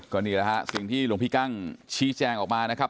ก็นี่แหละฮะสิ่งที่หลวงพี่กั้งชี้แจงออกมานะครับ